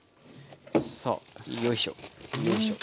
さあよいしょよいしょ。